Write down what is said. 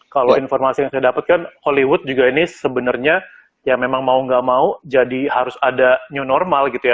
kalau informasi yang saya dapatkan hollywood juga ini sebenarnya ya memang mau gak mau jadi harus ada new normal gitu ya